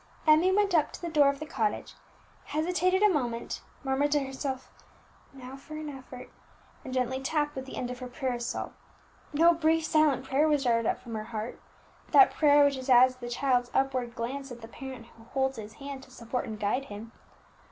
Emmie went up to the door of the cottage, hesitated a moment, murmured to herself, "Now for an effort!" and gently tapped with the end of her parasol. No brief silent prayer was darted up from her heart, that prayer which is as the child's upward glance at the parent who holds his hand to support and guide him.